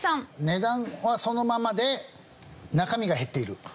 値段はそのままで中身が減っている。